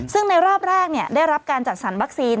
ซึ่งในรอบแรกได้รับการจัดสรรวัคซีน